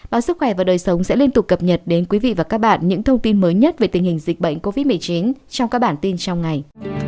báo sức khỏe và đời sống sẽ liên tục cập nhật đến quý vị và các bạn những thông tin mới nhất về tình hình dịch bệnh covid một mươi chín trong các bản tin trong ngày